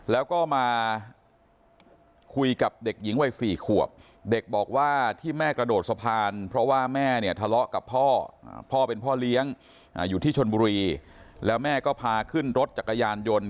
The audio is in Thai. แล้วแม่ก็พาขึ้นรถจักรยานยนต์